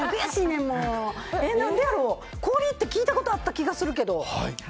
何でやろう、氷って聞いたことある気がするけど。